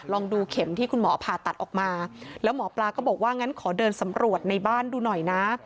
ลองดูเข็มที่คุณหมอผ่าตัดออกมาแล้วหมอปลาก็บอกว่างั้นขอเดินสำรวจในบ้านดูหน่อยนะ